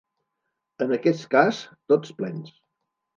En aquest cas tots plens.